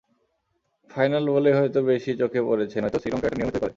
Final বলেই হয়তো বেশি চোখে পড়েছে, নয়তো শ্রীলঙ্কা এটা নিয়মিতই করে।